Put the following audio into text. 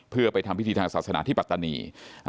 เพื่อไปทำพิธีทางศาสนาที่ปัตตานี